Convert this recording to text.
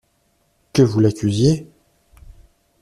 Que vous l'accusiez!